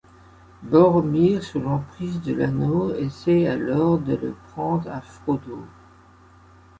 Boromir, sous l’emprise de l’Anneau, essaie alors de le prendre à Frodo.